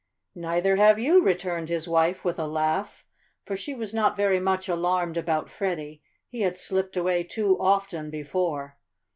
"Neither have you," returned his wife with a laugh, for she was not very much alarmed about Freddie he had slipped away too often before.